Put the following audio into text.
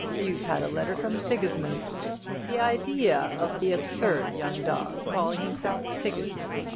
You've had a letter from Sigismund, the idea of the absurd young dog calling himself Sigismund!